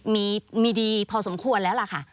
มีดีพอสมควรแล้วล่ะค่ะ